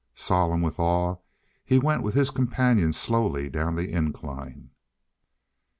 Solemn with awe he went with his companions slowly down the incline.